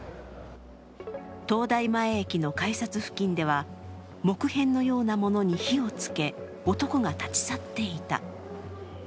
東大前駅の改札付近では木片のようなものに火をつけ男が立ち去っていた。